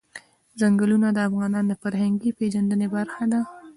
ځنګلونه د افغانانو د فرهنګي پیژندنې برخه ده.